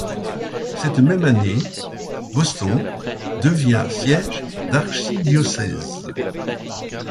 Cette même année, Boston devient siège d'archidiocèse.